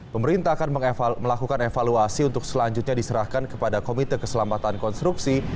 pemerintah akan melakukan evaluasi untuk selanjutnya diserahkan kepada komite keselamatan konstruksi